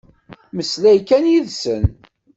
Mmeslay kan yid-sen.